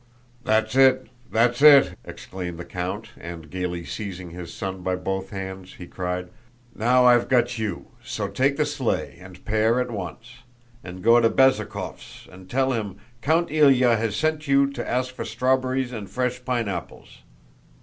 "That's it, that's it!" exclaimed the count, and gaily seizing his son by both hands, he cried, "Now I've got you, so take the sleigh and pair at once, and go to Bezúkhov's, and tell him 'Count Ilyá has sent you to ask for strawberries and fresh pineapples.